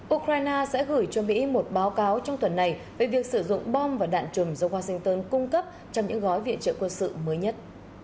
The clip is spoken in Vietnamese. ukraine sẽ gửi cho mỹ một báo cáo trong tuần này về việc sử dụng bom và đạn chùm do washington cung cấp trong những gói viện trợ quân sự mới nhất